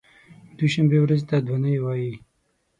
دوشنبې ورځې ته دو نۍ وایی